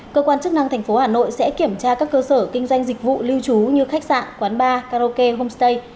cơ quan chức năng tp hà nội sẽ kiểm tra các cơ sở kinh doanh dịch vụ lưu trú như khách sạn quán bar karaoke homestay